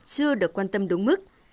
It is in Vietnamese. chưa được quan tâm đúng mức